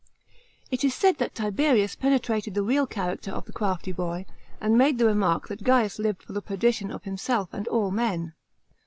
It is said that Tiberius penetrated the real character of the crafty boy, and made the remark that Gains lived for the perdition of himself and all men.